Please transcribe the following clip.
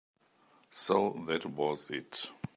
So that was it.